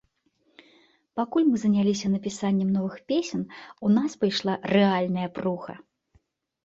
Пакуль мы заняліся напісаннем новых песень, у нас пайшла рэальная пруха.